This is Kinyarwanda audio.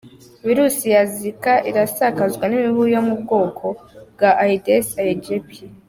Virusi ya Zika isakazwa n’imibu yo mu bwoko bwa Aedes aegypti.